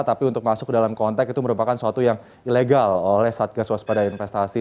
tapi untuk masuk dalam konteks itu merupakan suatu yang ilegal oleh satgas waspada investasi